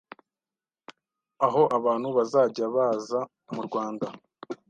aho abantu bazajya baza mu Rwanda